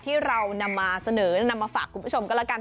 ที่เรานำมาเสนอนำมาฝากคุณผู้ชมก็แล้วกัน